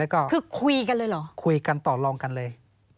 ก็คือคุยกันเลยเหรอคุยกันต่อลองกันเลย